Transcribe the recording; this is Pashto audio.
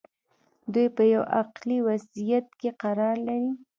دوی په یوه عقلي وضعیت کې قرار لري.